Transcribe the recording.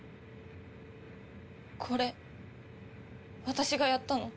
これ私がやったの？